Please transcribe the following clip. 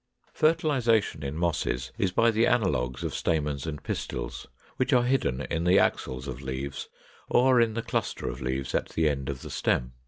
500. Fertilization in Mosses is by the analogues of stamens and pistils, which are hidden in the axils of leaves, or in the cluster of leaves at the end of the stem.